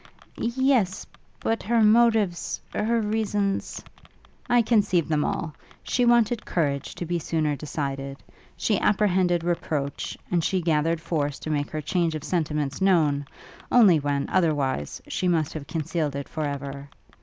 'Yes, but, her motives her reasons ' 'I conceive them all! she wanted courage to be sooner decided; she apprehended reproach and she gathered force to make her change of sentiments known, only when, otherwise, she must have concealed it for ever.